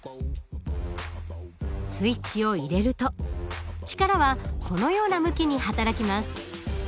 スイッチを入れると力はこのような向きに働きます。